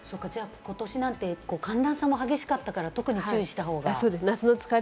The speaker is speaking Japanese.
今年なんて寒暖差も激しかったから、特に注意した方が。